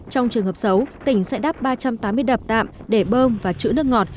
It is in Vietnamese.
trong trường hợp xấu tỉnh sẽ đắp ba trăm tám mươi đập tạm để bơm và chữ nước ngọt